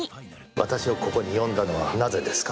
私をここに呼んだのはなぜですか？